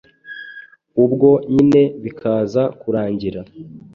ubwo nyine bikaza kurangira